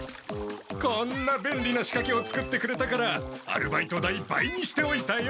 こんなべんりなしかけを作ってくれたからアルバイト代倍にしておいたよ！